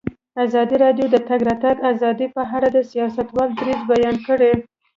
ازادي راډیو د د تګ راتګ ازادي په اړه د سیاستوالو دریځ بیان کړی.